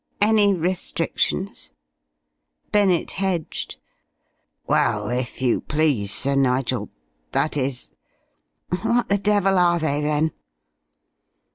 "Any restrictions?" Bennett hedged. "Well if you please Sir Nigel that is " "What the devil are they, then?"